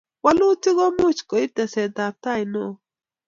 Walutik ko much koip tesetaptai ne o